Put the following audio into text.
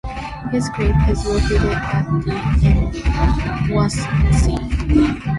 His grave is located at the in Wannsee.